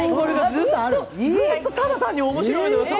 ずっとただただ面白いの。